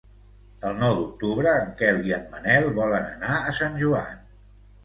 El nou d'octubre en Quel i en Manel volen anar a Sant Joan.